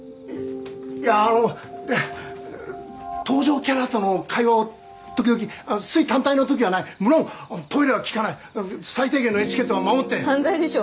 いやあの登場キャラとの会話を時々すい単体のときはないむろんトイレは聴かない最低限のエチケットは守って犯罪でしょ